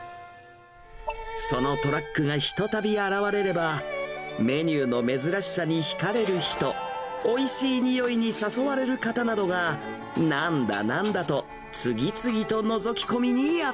そのトラックがひとたび現れれば、メニューの珍しさにひかれる人、おいしい匂いに誘われる方などが、なんだなんだと、おー。